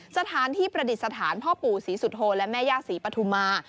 สถานที่ประดิษฐานพ่อปู่ศรีสุโธและแม่ย่าศรีปฐุมา